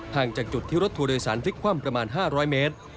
จากจุดที่รถทัวร์โดยสารพลิกคว่ำประมาณ๕๐๐เมตร